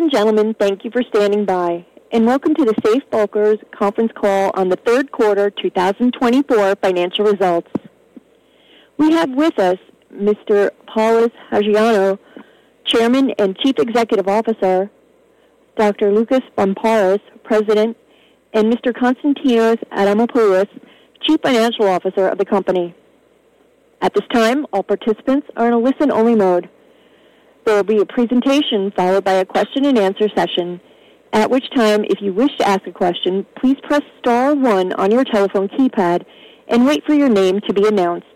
Ladies and gentlemen, thank you for standing by, and welcome to the Safe Bulkers conference call on the third quarter 2024 financial results. We have with us Mr. Polys Hajioannou, Chairman and Chief Executive Officer, Dr. Loukas Barmparis, President, and Mr. Konstantinos Adamopoulos, Chief Financial Officer of the company. At this time, all participants are in a listen-only mode. There will be a presentation followed by a question-and-answer session, at which time, if you wish to ask a question, please press star one on your telephone keypad and wait for your name to be announced.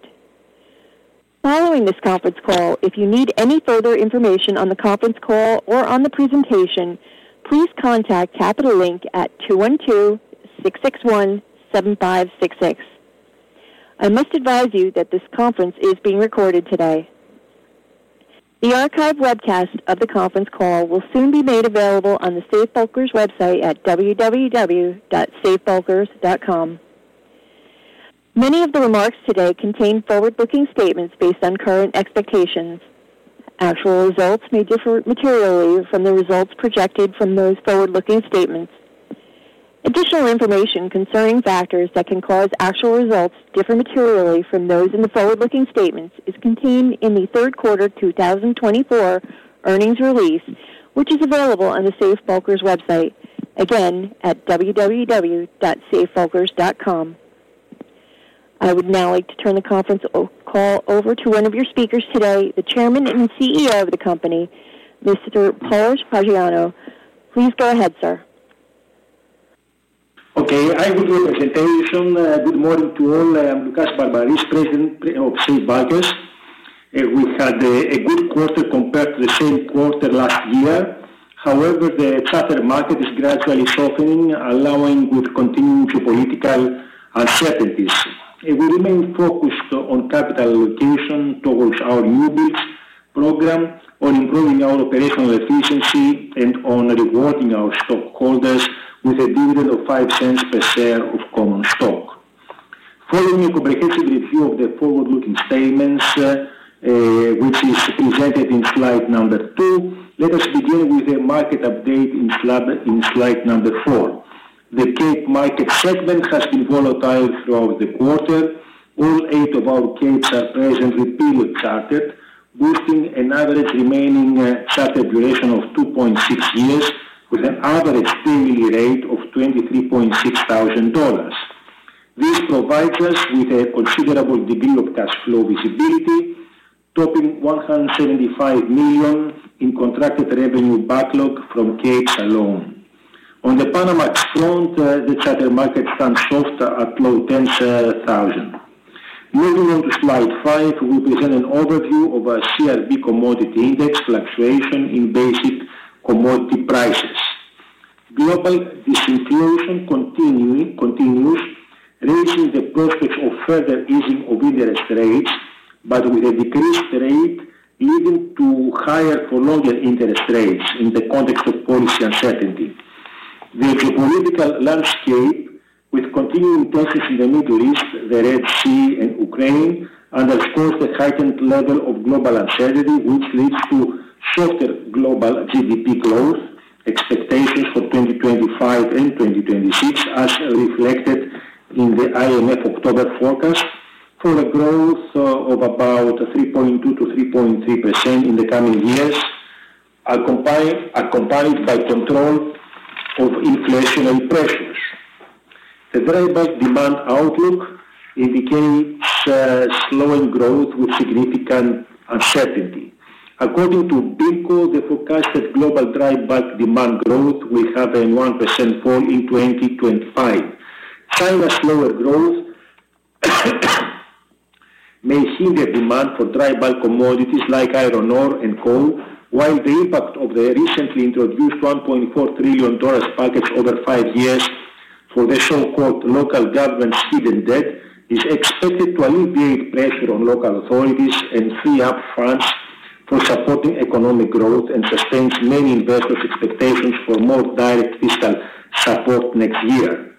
Following this conference call, if you need any further information on the conference call or on the presentation, please contact Capital Link at 212-661-7566. I must advise you that this conference is being recorded today. The archive webcast of the conference call will soon be made available on the Safe Bulkers website at www.safebulkers.com. Many of the remarks today contain forward-looking statements based on current expectations. Actual results may differ materially from the results projected from those forward-looking statements. Additional information concerning factors that can cause actual results to differ materially from those in the forward-looking statements is contained in the third quarter 2024 earnings release, which is available on the Safe Bulkers website, again at www.safebulkers.com. I would now like to turn the conference call over to one of your speakers today, the Chairman and CEO of the company, Mr. Polys Hajioannou. Please go ahead, sir. Okay, I will do a presentation. Good morning to all. I'm Loukas Barmparis, President of Safe Bulkers. We had a good quarter compared to the same quarter last year. However, the charter market is gradually softening, along with continuing geopolitical uncertainties. We remain focused on capital allocation towards our new build program, on improving our operational efficiency, and on rewarding our stockholders with a dividend of $0.05 per share of common stock. Following a comprehensive review of the forward-looking statements, which is presented in slide number two, let us begin with a market update in slide number four. The Capes market segment has been volatile throughout the quarter. All eight of our Capes are presently period chartered, boasting an average remaining charter duration of 2.6 years with an average daily rate of $23,600. This provides us with a considerable degree of cash flow visibility, topping $175 million in contracted revenue backlog from Capes alone. On the Panamax front, the charter market stands soft at low-$10,000. Moving on to slide five, we present an overview of our CRB Commodity Index fluctuation in basic commodity prices. Global disinflation continues, raising the prospects of further easing of interest rates, but with a decreased rate leading to higher for longer interest rates in the context of policy uncertainty. The geopolitical landscape, with continuing tensions in the Middle East, the Red Sea, and Ukraine, underscores the heightened level of global uncertainty, which leads to softer global GDP growth expectations for 2025 and 2026, as reflected in the IMF October forecast for a growth of about 3.2%-3.3% in the coming years, accompanied by control of inflationary pressures. The dry bulk demand outlook indicates slowing growth with significant uncertainty. According to BIMCO, the forecasted global dry bulk demand growth will have a 1% fall in 2025. China's slower growth may hinder demand for dry bulk commodities like iron ore and coal, while the impact of the recently introduced $1.4 trillion package over five years for the so-called local government's hidden debt is expected to alleviate pressure on local authorities and free up funds for supporting economic growth and sustain many investors' expectations for more direct fiscal support next year.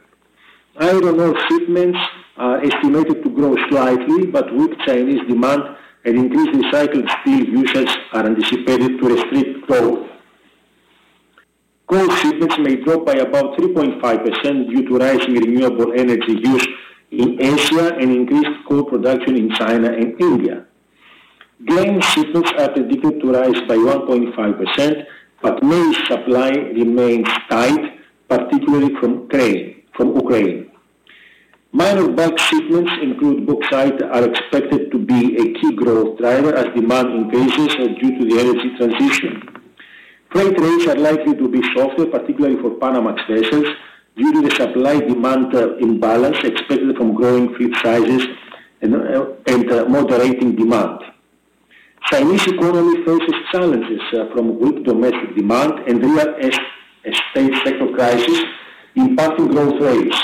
Iron ore shipments are estimated to grow slightly, but weak Chinese demand and increased recycled steel usage are anticipated to restrict growth. Coal shipments may drop by about 3.5% due to rising renewable energy use in Asia and increased coal production in China and India. Grain shipments are predicted to rise by 1.5%, but maize supply remains tight, particularly from Ukraine. Minor bulks shipments, including bauxite, are expected to be a key growth driver as demand increases due to the energy transition. Freight rates are likely to be softer, particularly for Panamax vessels, due to the supply-demand imbalance expected from growing fleet sizes and moderating demand. Chinese economy faces challenges from weak domestic demand and real estate sector crisis impacting growth rates.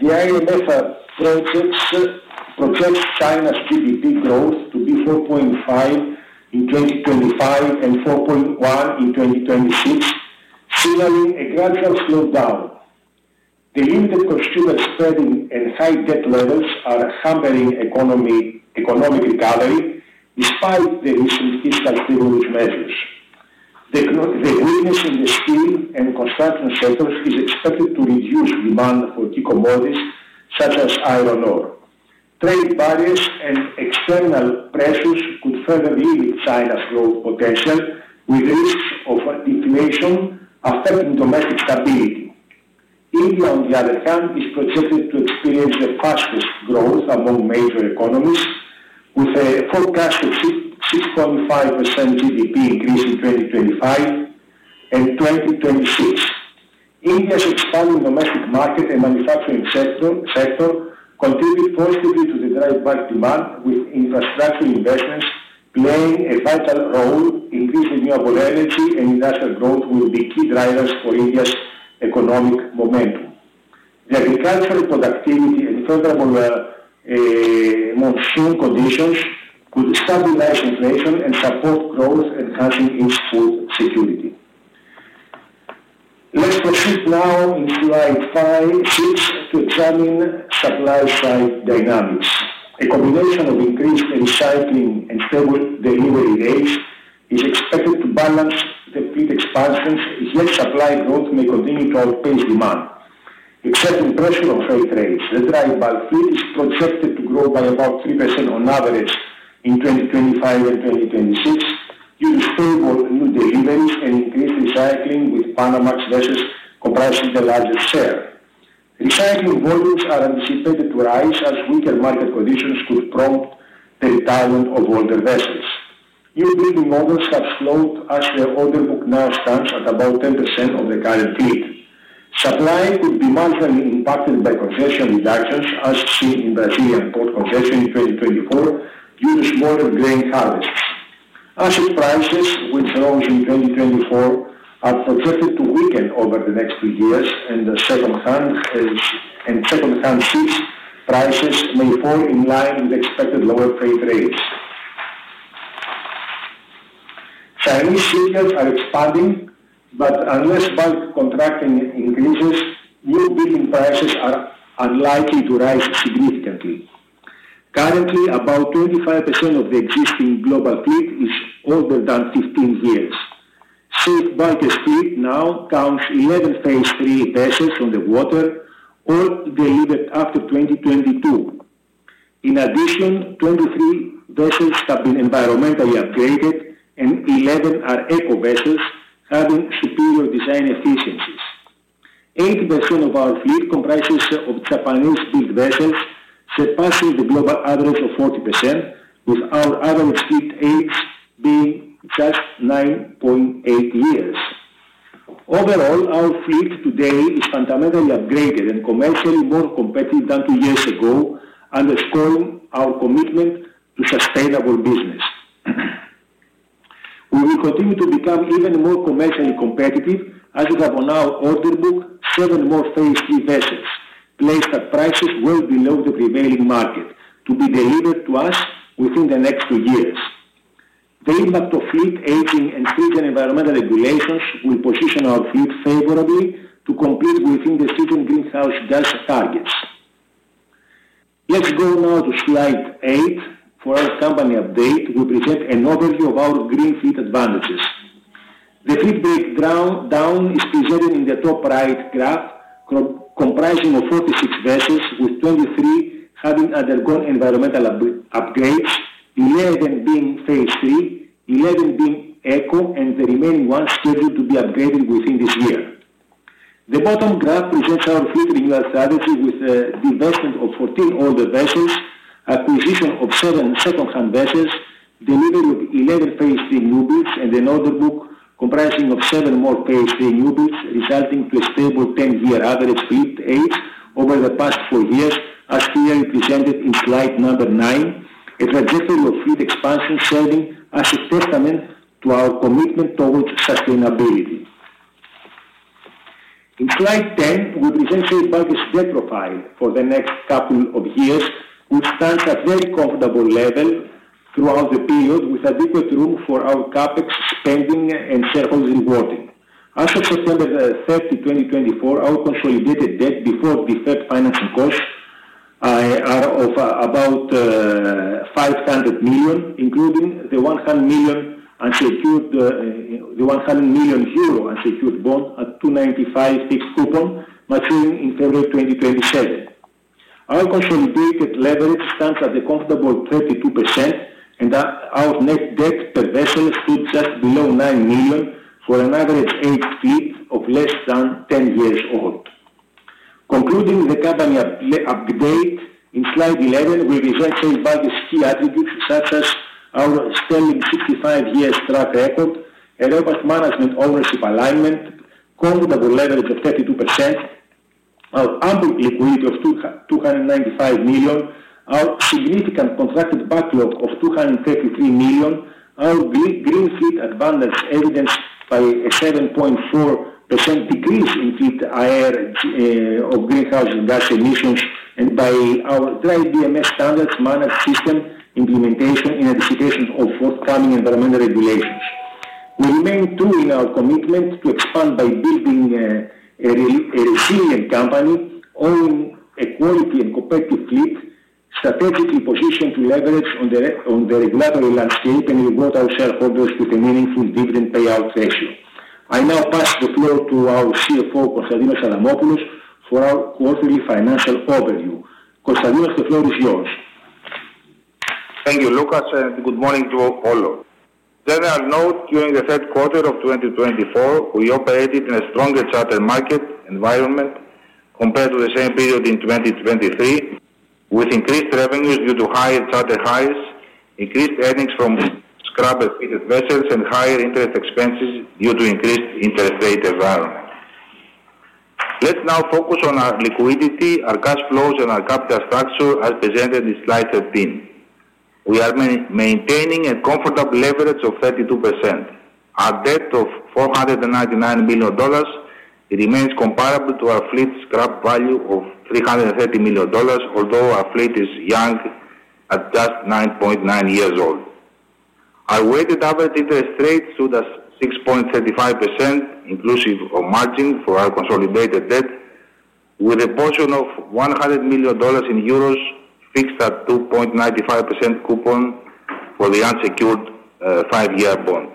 The IMF projects China's GDP growth to be 4.5% in 2025 and 4.1% in 2026, signaling a gradual slowdown. The limited consumer spending and high debt levels are hampering economic recovery despite the recent fiscal stimulus measures. The weakness in the steel and construction sectors is expected to reduce demand for key commodities such as iron ore. Trade barriers and external pressures could further limit China's growth potential, with risks of deflation affecting domestic stability. India, on the other hand, is projected to experience the fastest growth among major economies, with a forecast of 6.5% GDP increase in 2025 and 2026. India's expanding domestic market and manufacturing sector contribute positively to the dry bulk demand, with infrastructure investments playing a vital role. Increased renewable energy and industrial growth will be key drivers for India's economic momentum. The agricultural productivity and favorable monsoon conditions could stabilize inflation and support growth, enhancing export security. Let's proceed now in slide six to examine supply-side dynamics. A combination of increased recycling and stable delivery rates is expected to balance the fleet expansions, yet supply growth may continue to outpace demand, exerting pressure on freight rates. The dry bulk fleet is projected to grow by about 3% on average in 2025 and 2026 due to stable new deliveries and increased recycling with Panamax vessels comprising the largest share. Recycling volumes are anticipated to rise as weaker market conditions could prompt the retirement of older vessels. Newbuilding models have slowed as the order book now stands at about 10% of the current fleet. Supply could be marginally impacted by congestion reductions, as seen in Brazilian port congestion in 2024 due to smaller grain harvests. Asset prices, which rose in 2024, are projected to weaken over the next two years, and second-hand goods prices may fall in line with expected lower freight rates. Chinese shipyards are expanding, but unless bulk contracting increases, newbuilding prices are unlikely to rise significantly. Currently, about 25% of the existing global fleet is older than 15 years. Safe Bulkers fleet now counts 11 phase III vessels on the water, all delivered after 2022. In addition, 23 vessels have been environmentally upgraded, and 11 are Eco vessels having superior design efficiencies. 80% of our fleet comprises of Japanese-built vessels, surpassing the global average of 40%, with our average fleet age being just 9.8 years. Overall, our fleet today is fundamentally upgraded and commercially more competitive than two years ago, underscoring our commitment to sustainable business. We will continue to become even more commercially competitive as we have on our order book seven more phase III vessels placed at prices well below the prevailing market to be delivered to us within the next two years. The impact of fleet aging and increasingly stringent environmental regulations will position our fleet favorably to compete within the IMO Greenhouse Gas targets. Let's go now to slide eight for our company update. We present an overview of our green fleet advantages. The fleet breakdown is presented in the top right graph, comprising of 46 vessels, with 23 having undergone environmental upgrades, 11 being phase III, 11 being Eco, and the remaining one scheduled to be upgraded within this year. The bottom graph presents our fleet renewal strategy with the investment of 14 older vessels, acquisition of seven second-hand vessels, delivery of 11 phase III new builds, and an order book comprising of seven more phase III new builds, resulting in a stable 10-year average fleet age over the past four years, as clearly presented in slide number nine, a trajectory of fleet expansion serving as a testament to our commitment toward sustainability. In slide ten, we present Safe Bulkers' debt profile for the next couple of years, which stands at a very comfortable level throughout the period, with adequate room for our CapEx spending and shareholders' rewarding. As of September 30, 2024, our consolidated debt before the deferred financing costs are of about $500 million, including the 100 million euro unsecured bond at 2.95% fixed coupon maturing in February 2027. Our consolidated leverage stands at a comfortable 32%, and our net debt per vessel stood just below $9 million for an average age fleet of less than 10 years old. Concluding the company update, in slide 11, we present Safe Bulkers' key attributes such as our standing 65-year track record, a robust management ownership alignment, comfortable leverage of 32%, our ample liquidity of $295 million, our significant contracted backlog of $233 million, our green fleet advantage evidenced by a 7.4% decrease in fleet AER of greenhouse gas emissions, and by our DryBMS standards-managed system implementation in anticipation of forthcoming environmental regulations. We remain true to our commitment to expand by building a resilient company owning a quality and competitive fleet, strategically positioned to leverage on the regulatory landscape and reward our shareholders with a meaningful dividend payout ratio. I now pass the floor to our CFO, Konstantinos Adamopoulos, for our quarterly financial overview. Konstantinos, the floor is yours. Thank you, Loukas, and good morning to all. General note, during the third quarter of 2024, we operated in a stronger charter market environment compared to the same period in 2023, with increased revenues due to higher charter rates, increased earnings from scrubbed fleet vessels, and higher interest expenses due to increased interest rate environment. Let's now focus on our liquidity, our cash flows, and our capital structure as presented in slide 13. We are maintaining a comfortable leverage of 32%. Our debt of $499 million remains comparable to our fleet book value of $330 million, although our fleet is young at just 9.9 years old. Our weighted average interest rate stood at 6.35% inclusive of margin for our consolidated debt, with a portion of EUR 100 million fixed at 2.95% coupon for the unsecured five-year bond.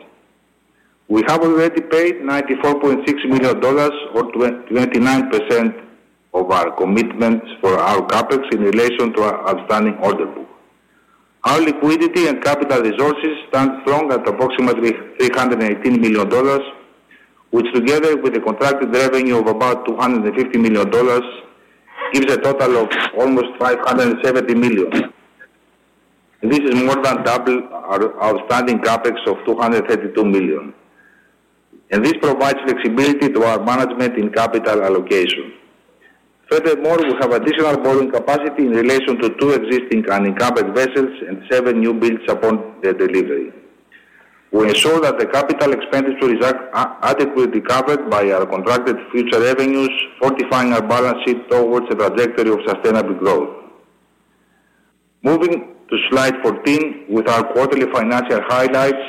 We have already paid $94.6 million, or 29% of our commitments for our CapEx in relation to our outstanding order book. Our liquidity and capital resources stand strong at approximately $318 million, which together with the contracted revenue of about $250 million gives a total of almost $570 million. This is more than double our outstanding CapEx of $232 million, and this provides flexibility to our management in capital allocation. Furthermore, we have additional borrowing capacity in relation to two existing unencumbered vessels and seven newbuilds upon their delivery. We ensure that the capital expenditure is adequately covered by our contracted future revenues, fortifying our balance sheet towards a trajectory of sustainable growth. Moving to slide 14 with our quarterly financial highlights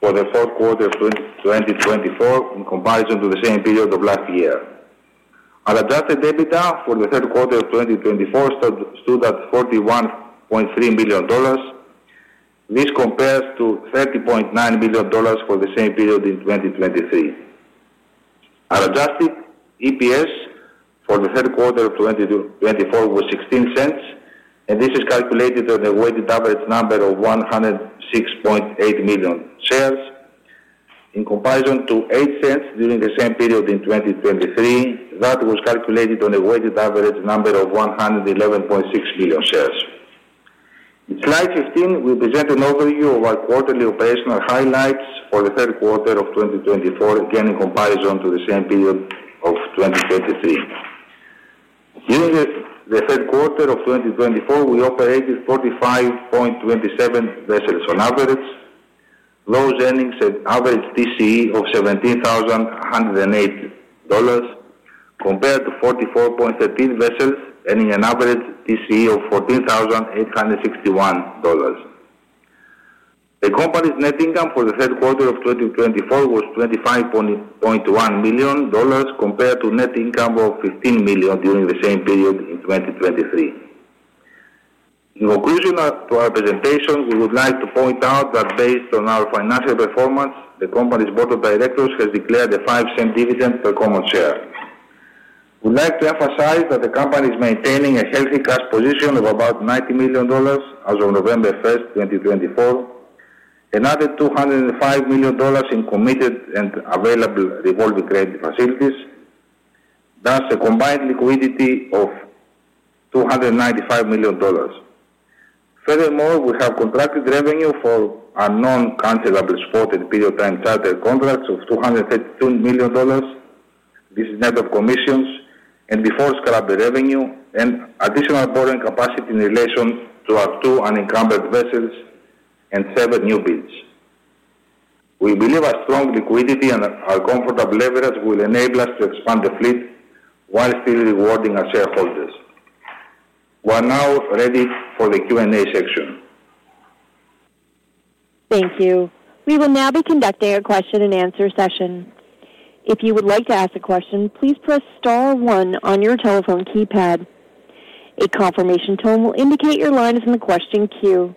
for the fourth quarter of 2024 in comparison to the same period of last year. Our adjusted EBITDA for the third quarter of 2024 stood at $41.3 million. This compares to $30.9 million for the same period in 2023. Our adjusted EPS for the third quarter of 2024 was $0.16, and this is calculated on a weighted average number of 106.8 million shares in comparison to $0.08 during the same period in 2023. That was calculated on a weighted average number of 111.6 million shares. In slide 15, we present an overview of our quarterly operational highlights for the third quarter of 2024, again in comparison to the same period of 2023. During the third quarter of 2024, we operated 45.27 vessels on average, those earning an average TCE of $17,108 compared to 44.13 vessels earning an average TCE of $14,861. The company's net income for the third quarter of 2024 was $25.1 million compared to net income of $15 million during the same period in 2023. In conclusion to our presentation, we would like to point out that based on our financial performance, the company's board of directors has declared a $0.05 dividend per common share. We'd like to emphasize that the company is maintaining a healthy cash position of about $90 million as of November 1st, 2024, another $205 million in committed and available revolving credit facilities, thus a combined liquidity of $295 million. Furthermore, we have contracted revenue for non-cancelable spot and period time chartered contracts of $232 million. This is net of commissions and before charter revenue and additional borrowing capacity in relation to our two unencumbered vessels and seven new builds. We believe our strong liquidity and our comfortable leverage will enable us to expand the fleet while still rewarding our shareholders. We are now ready for the Q&A section. Thank you. We will now be conducting a question and answer session. If you would like to ask a question, please press star one on your telephone keypad. A confirmation tone will indicate your line is in the question queue.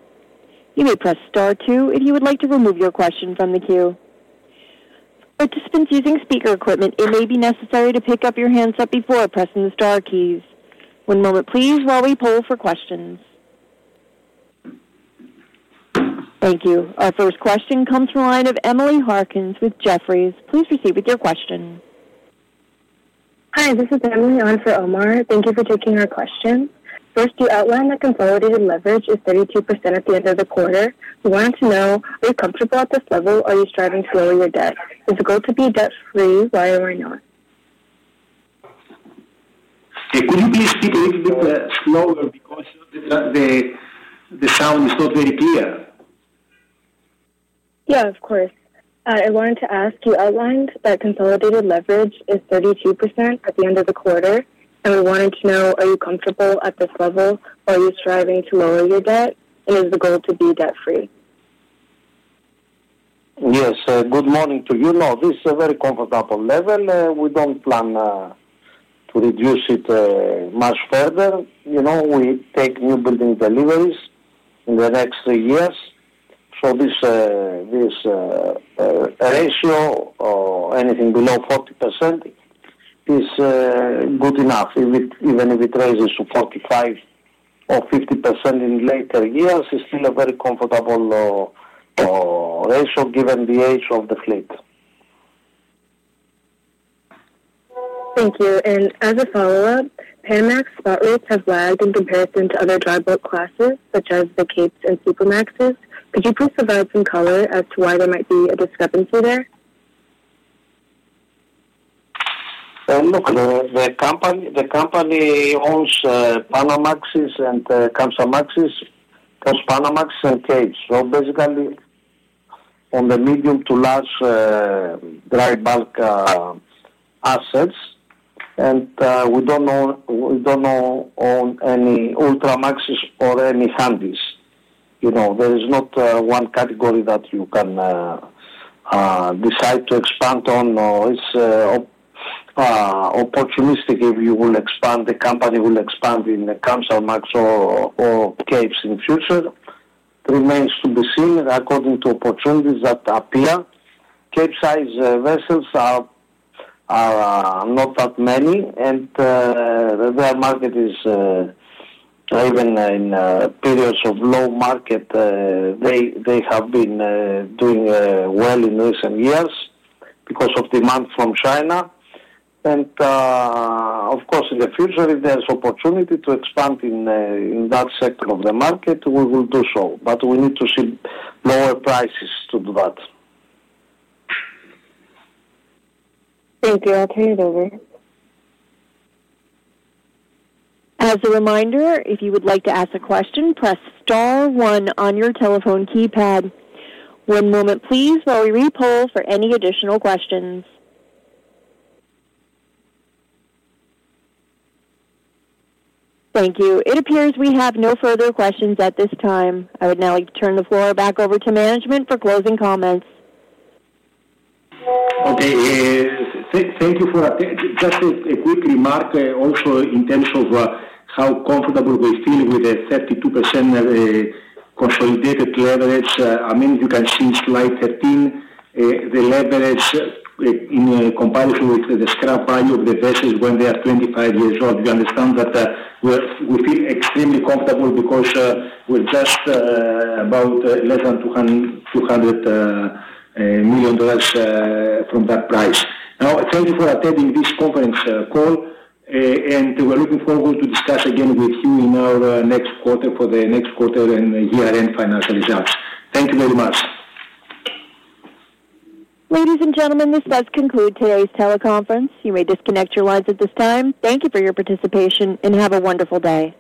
You may press star two if you would like to remove your question from the queue. For participants using speaker equipment, it may be necessary to pick up your handset before pressing the star keys. One moment, please, while we poll for questions. Thank you. Our first question comes from a line of Emily Harkins with Jefferies. Please proceed with your question. Hi, this is Emily, on for Omar. Thank you for taking our question. First, you outlined that consolidated leverage is 32% at the end of the quarter. We wanted to know, are you comfortable at this level or are you striving to lower your debt? Is the goal to be debt-free? Why or why not? Could you please speak a little bit slower because the sound is not very clear? Yeah, of course. I wanted to ask, you outlined that consolidated leverage is 32% at the end of the quarter, and we wanted to know, are you comfortable at this level or are you striving to lower your debt? And is the goal to be debt-free? Yes, good morning to you. No, this is a very comfortable level. We don't plan to reduce it much further. We take newbuilding deliveries in the next three years, so this ratio or anything below 40% is good enough. Even if it rises to 45% or 50% in later years, it's still a very comfortable ratio given the age of the fleet. Thank you. And as a follow-up, Panamax spot rates have lagged in comparison to other dry bulk classes such as the Capes and Supramaxes. Could you please provide some color as to why there might be a discrepancy there? Look, the company owns Panamaxes and Kamsarmaxes, Kamsarmaxes, Panamaxes and Capes, so basically on the medium to large dry bulk assets, and we don't own any Ultramaxes or any Handys. There is not one category that you can decide to expand on. It's opportunistic if you will expand. The company will expand in the Kamsarmax or Capes in the future. It remains to be seen according to opportunities that appear. Capesize vessels are not that many, and their market is, even in periods of low market, they have been doing well in recent years because of demand from China. And of course, in the future, if there's opportunity to expand in that sector of the market, we will do so, but we need to see lower prices to do that. Thank you. I'll turn it over. As a reminder, if you would like to ask a question, press star one on your telephone keypad. One moment, please, while we re-poll for any additional questions. Thank you. It appears we have no further questions at this time. I would now like to turn the floor back over to management for closing comments. Okay. Thank you for just a quick remark also in terms of how comfortable we feel with the 32% consolidated leverage. I mean, you can see in slide 13 the leverage in comparison with the scrap value of the vessels when they are 25 years old. You understand that we feel extremely comfortable because we're just about less than $200 million from that price. Now, thank you for attending this conference call, and we're looking forward to discuss again with you in our next quarter for the next quarter and year-end financial results. Thank you very much. Ladies and gentlemen, this does conclude today's teleconference. You may disconnect your lines at this time. Thank you for your participation and have a wonderful day.